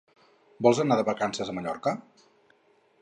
Vols anar de vacances a Mallorca?